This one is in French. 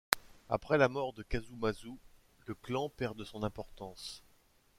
Après la mort de Kazumasu, le clan perd de son importance.